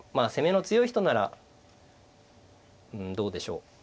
攻めの強い人ならどうでしょう。